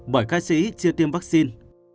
bởi ca sĩ chia tiêm vaccine